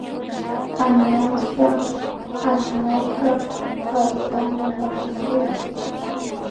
Añashpa asnayka karutami mutkirin